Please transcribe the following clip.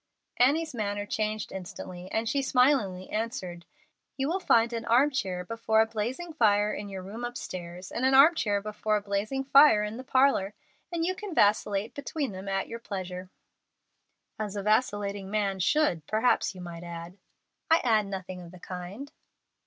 Annie's manner changed instantly, and she smilingly answered, "You will find an arm chair before a blazing fire in your room upstairs, and an arm chair before a blazing fire in the parlor, and you can vacillate between them at your pleasure." "As a vacillating man should, perhaps you might add." "I add nothing of the kind."